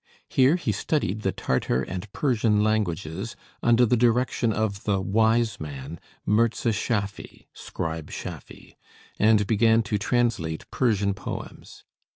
Here he studied the Tartar and Persian languages, under the direction of the "wise man" Mirza Schaffy (Scribe Schaffy), and began to translate Persian poems.